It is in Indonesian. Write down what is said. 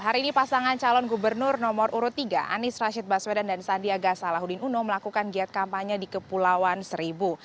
hari ini pasangan calon gubernur nomor urut tiga anies rashid baswedan dan sandiaga salahuddin uno melakukan giat kampanye di kepulauan seribu